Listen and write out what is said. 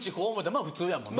まぁ普通やもんな。